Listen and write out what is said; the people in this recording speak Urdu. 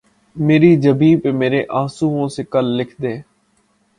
مری جبیں پہ مرے آنسوؤں سے کل لکھ دے